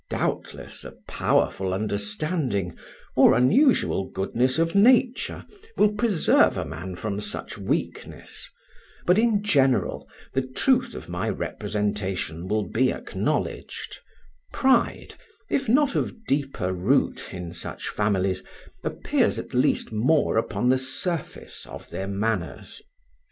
Doubtless, a powerful understanding, or unusual goodness of nature, will preserve a man from such weakness, but in general the truth of my representation will be acknowledged; pride, if not of deeper root in such families, appears at least more upon the surface of their manners.